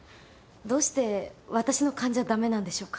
どうして私の勘じゃだめなんでしょうか。